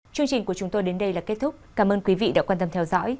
chương trình của chúng tôi đến đây là kết thúc cảm ơn quý vị đã quan tâm theo dõi